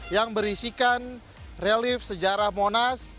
yang berisikan relief sejarah monas